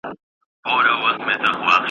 ته به مي څرنګه د تللي قدم لار لټوې ,